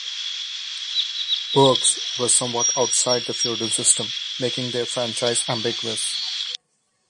Burghs were somewhat outside the feudal system, making their franchise ambiguous.